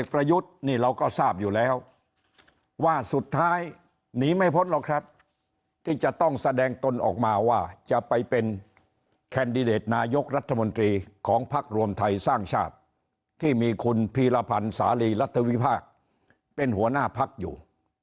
ประยุทธ์นี่เราก็ทราบอยู่แล้วว่าสุดท้ายหนีไม่พ้นหรอกครับที่จะต้องแสดงตนออกมาว่าจะไปเป็นแคนดิเดตนายกรัฐมนตรีของพักรวมไทยสร้างชาติที่มีคุณพีรพันธ์สาลีรัฐวิพากษ์เป็นหัวหน้าพักอยู่